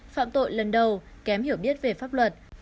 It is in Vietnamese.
phạm tội lần đầu kém hiểu biết về pháp luật